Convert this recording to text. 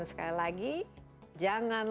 sekali lagi jangan